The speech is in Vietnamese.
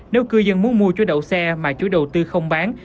nếu cư dân muốn mua chú đậu xe mà chủ đầu tư không bán